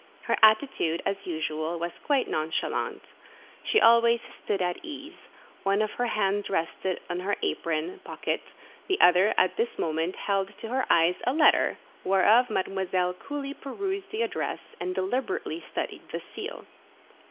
Her attitude, as usual, was quite nonchalante. She always "stood at ease;" one of her hands rested in her apron pocket, the other at this moment held to her eyes a letter, whereof Mademoiselle coolly perused the address, and deliberately studied the seal.